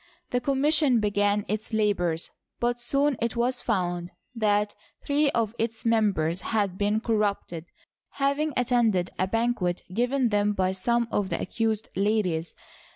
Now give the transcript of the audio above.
The commission began its labors, but soon it was found that three of its members had been corrupted, having attended a banquet given them by some of the accused ladies.